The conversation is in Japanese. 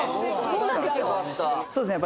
そうですね